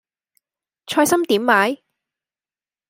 菜心點賣